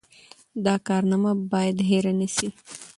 دا کارنامه باید هېره نه سي.